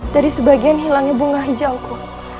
dari sebagian hilangnya bunga hijauku